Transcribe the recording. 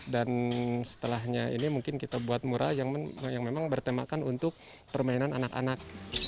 dan setelahnya ini mungkin kita buat mural yang memang bertemakan untuk permainan anak anak